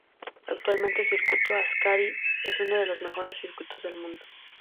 Actualmente Circuito Ascari es uno de los mejores circuitos del mundo.